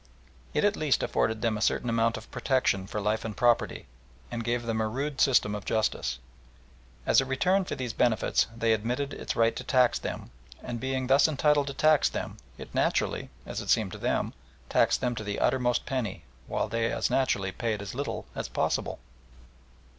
It at least afforded them a certain amount of protection for life and property, and gave them a rude system of justice. As a return for these benefits they admitted its right to tax them, and being thus entitled to tax them, it naturally, as it seemed to them, taxed them to the uttermost penny, while they as naturally paid as little as possible.